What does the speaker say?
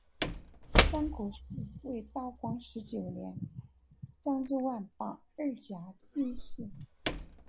张国士为道光十九年张之万榜二甲进士。